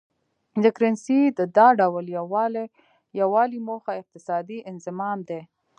د کرنسۍ د دا ډول یو والي موخه اقتصادي انضمام دی.